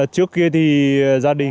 trước kia thì gia đình